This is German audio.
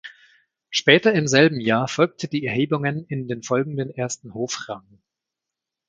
Später im selben Jahr folgte die Erhebungen in den folgenden ersten Hofrang.